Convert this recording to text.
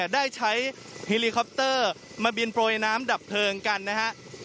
ได้ใช้เฮลิคอปเตอร์มาบินโปรยน้ำดับเพลิงกันนะฮะ